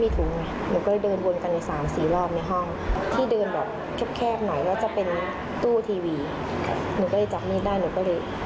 ก็แทงเสื้อปุ๊บเขาก็เขารู้แหละว่าเขาโดนแทงเขาก็ช่างหนูไป